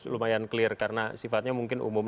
lumayan clear karena sifatnya mungkin umum